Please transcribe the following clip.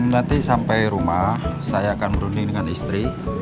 nanti sampai rumah saya akan berunding dengan istri